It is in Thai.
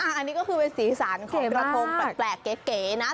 อันนี้ก็คือเป็นสีสันของกระทงแปลกเก๋นะ